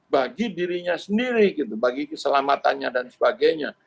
bagi dirinya sendiri gitu bagi keselamatannya dan sebagainya